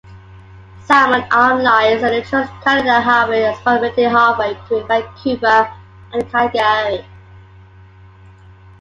Salmon Arm lies on the Trans-Canada Highway approximately halfway between Vancouver and Calgary.